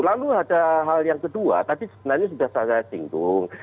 lalu ada hal yang kedua tadi sebenarnya sudah saya singgung